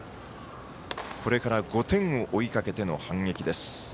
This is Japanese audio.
これから５点を追いかけての反撃。